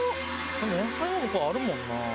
でも野菜はあるもんな。